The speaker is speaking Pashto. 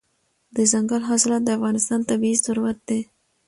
دځنګل حاصلات د افغانستان طبعي ثروت دی.